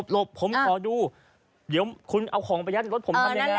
หลบผมขอดูเดี๋ยวคุณเอาของไปยัดรถผมทำยังไง